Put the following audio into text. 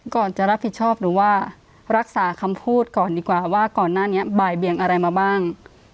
ก่อนจะรับผิดชอบหรือว่ารักษาคำพูดก่อนดีกว่าว่าก่อนหน้านี้บ่ายเบียงอะไรมาบ้าง